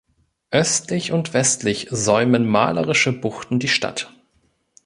Östlich und westlich säumen malerische Buchten die Stadt.